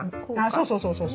そうそうそうそう。